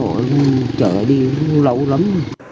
ồ chở đi lâu lắm